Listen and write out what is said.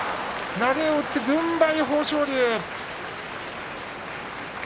投げを打って軍配は豊昇龍。